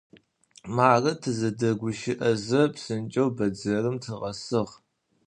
Marı, tızedeguşı'eze, psınç'eu bedzerım tıkhesığ.